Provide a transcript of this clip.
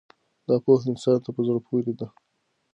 دا پوهه انسان ته په زړه پورې ده.